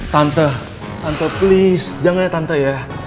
tante tante please jangan ya tante ya